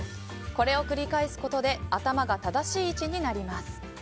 これを繰り返すことで頭が正しい位置になります。